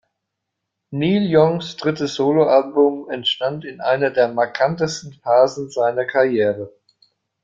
Neil Youngs drittes Soloalbum entstand in einer der markantesten Phasen seiner Karriere.